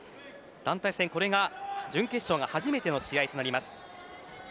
団体戦はこれが準決勝が初めての試合となります。